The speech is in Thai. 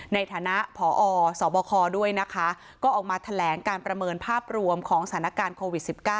ในฐานะพอสบคด้วยนะคะก็ออกมาแถลงการประเมินภาพรวมของสถานการณ์โควิด๑๙